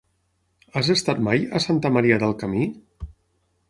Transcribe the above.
Has estat mai a Santa Maria del Camí?